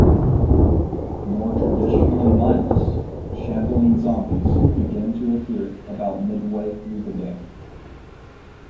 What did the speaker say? More traditionally mindless, shambling zombies begin to appear about midway through the game.